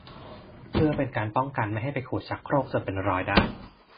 เพื่อเป็นการป้องกันไม่ให้ไม้ไปขูดชักโครกจนเป็นรอยได้